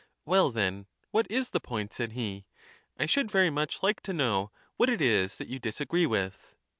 Well then, what is the point?" said he; "l Cicero^tat™ should very much like to know what it is that you Eptaurasf disagree with."